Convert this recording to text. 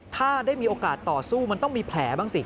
ถ้าได้มีโอกาสต่อสู้มันต้องมีแผลบ้างสิ